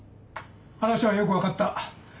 話はよく分かった。